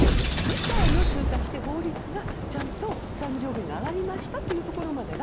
議会を通過して法律がちゃんと債務上限が上がりましたというところまでが。